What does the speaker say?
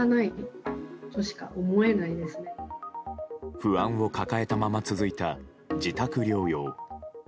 不安を抱えたまま続いた自宅療養。